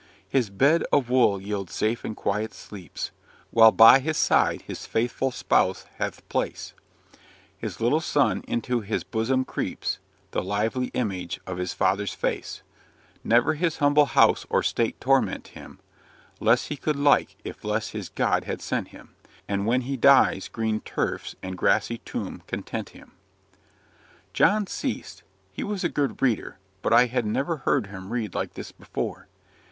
'His bed of wool yields safe and quiet sleeps, While by his side his faithful spouse hath place; His little son into his bosom creeps, The lively image of his father's face; Never his humble house or state torment him, Less he could like, if less his God had sent him; And when he dies, green turfs with grassy tomb content him.'" John ceased. He was a good reader but I had never heard him read like this before.